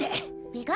ピカ？